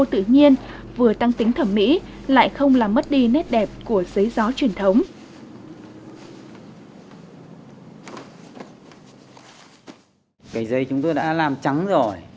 tự nhiên vừa tăng tính thẩm mỹ lại không làm mất đi nét đẹp của giấy gió truyền thống